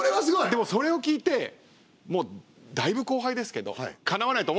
でもそれを聞いてもうだいぶ後輩ですけどかなわないと思ったんですよ